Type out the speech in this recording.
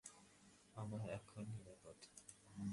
আমরা এখন নিরাপদ।